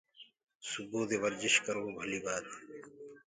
سبوودي ورجش ڪروو ڀلي ٻآتي